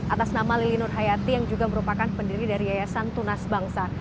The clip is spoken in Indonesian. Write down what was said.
atas nama lili nur hayati yang juga merupakan pendiri dari yayasan tunas bangsa